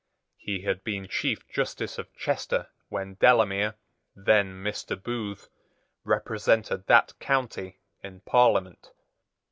He had been Chief Justice of Chester when Delamere, then Mr. Booth, represented that county in Parliament.